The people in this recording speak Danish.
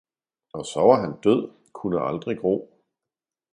og så var han død, kunne aldrig gro.